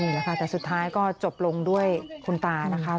แหละค่ะแต่สุดท้ายก็จบลงด้วยคุณตานะคะ